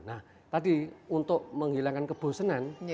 nah tadi untuk menghilangkan kebosenan